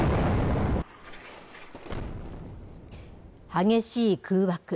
激しい空爆。